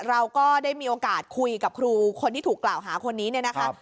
เราก็ได้มีโอกาสคุยกับครูคนที่ถูกกล่าวหาคนนี้เนี่ยนะคะ